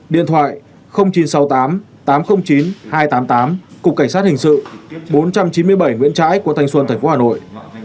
điện thoại chín trăm sáu mươi tám tám trăm linh chín hai trăm tám mươi tám cục cảnh sát hình sự bốn trăm chín mươi bảy nguyễn trãi quận thanh xuân tp hà nội